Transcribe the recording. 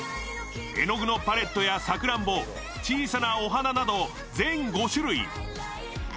絵の具のパレットやさくらんぼ、小さなお花など全５種類。